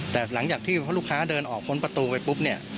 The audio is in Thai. แต่หลังจากที่พอลูกค้าเดินออกพ้นประตูไปปุ๊บเนี่ย